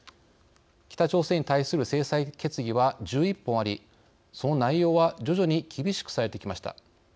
北朝鮮に対する制裁決議は１１本あり、その内容は徐々に厳しくされてきました。